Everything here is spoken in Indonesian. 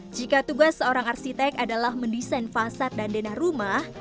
jika tugas seorang arsitek adalah mendesain fasad dan denah rumah